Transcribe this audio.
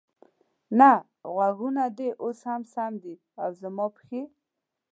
نه، غوږونه دې اوس هم سم دي، او زما پښې؟